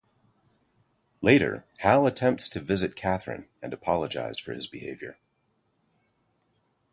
Later, Hal attempts to visit Catherine and apologize for his behavior.